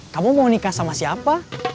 kamu mau nikah sama siapa